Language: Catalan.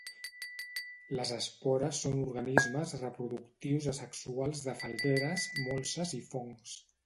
Les espores són organismes reproductius asexuals de falgueres, molses i fongs.